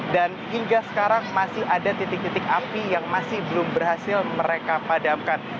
dan hingga sekarang masih ada titik titik api yang masih belum berhasil mereka padamkan